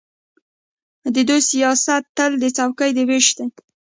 د دوی سیاست تل د څوکۍو وېش دی.